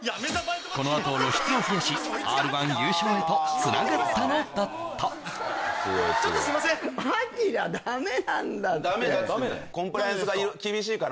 このあと露出を増やしＲ−１優勝へとつながったのだった何でですか？